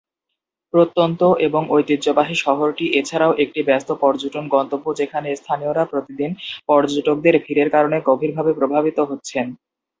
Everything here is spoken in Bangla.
প্রত্যন্ত এবং ঐতিহ্যবাহী শহরটি এছাড়াও একটি ব্যস্ত পর্যটন গন্তব্য যেখানে স্থানীয়রা প্রতিদিন পর্যটকদের ভিড়ের কারনে গভীরভাবে প্রভাবিত হচ্ছেন।